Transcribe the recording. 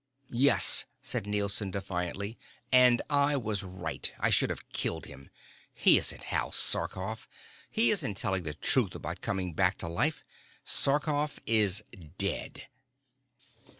"Yes," said Nielson defiantly. "And I was right. I should have killed him. He isn't Hal Sarkoff. He isn't telling the truth about coming back to life. Sarkoff is dead."